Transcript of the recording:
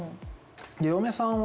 嫁さんは。